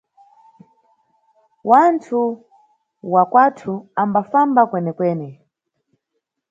Wanthu wa kwanthu ambafamba kwenekwene.